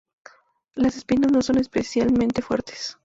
Las espinas no son especialmente fuertes.